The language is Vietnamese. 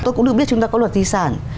tôi cũng được biết chúng ta có luật di sản